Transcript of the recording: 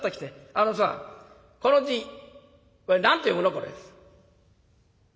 あのさこの字これ何て読むの？これ」。